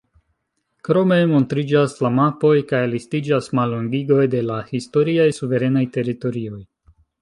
Krome montriĝas la mapoj kaj listiĝas mallongigoj de la historiaj suverenaj teritorioj.